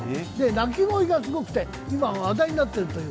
鳴き声がすごくて今、話題になっているという。